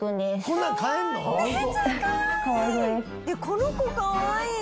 この子かわいい！